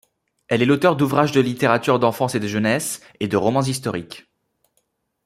Elle est l'auteur d'ouvrages de littérature d'enfance et de jeunesse et de romans historiques.